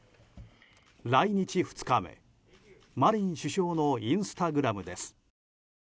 来日２日目、マリン首相のインスタグラムです。